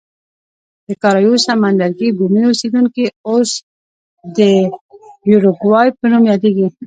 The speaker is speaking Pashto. د کارایوس سمندرګي بومي اوسېدونکي اوس د یوروګوای په نوم یادېږي.